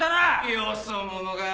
よそ者が！